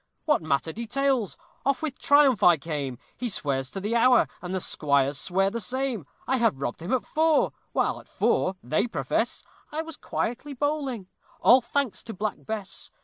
What matter details? Off with triumph I came; He swears to the hour, and the squires swear the same; I had robbed him at four! while at four they profess I was quietly bowling all thanks to Black Bess!